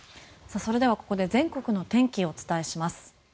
では、ここで全国の天気をお伝えします。